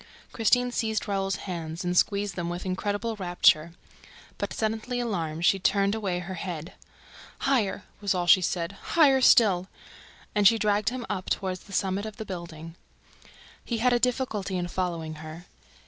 Christine seized Raoul's hands and squeezed them with incredible rapture. But, suddenly becoming alarmed again, she turned away her head. "Higher!" was all she said. "Higher still!" And she dragged him up toward the summit. He had a difficulty in following her.